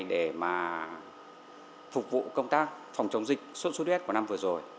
để mà phục vụ công tác phòng chống dịch suốt suốt tuyết của năm vừa rồi